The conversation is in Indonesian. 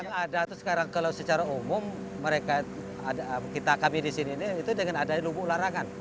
yang ada itu sekarang kalau secara umum mereka kita kami di sini itu dengan adanya lubuk larangan